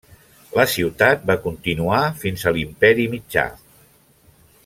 La ciutat va continuar fins a l'Imperi Mitjà.